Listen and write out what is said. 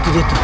itu dia tuh